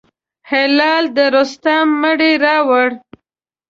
هلال د رستم مړی راووړ.